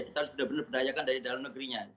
kita harus benar benar berdayakan dari dalam negerinya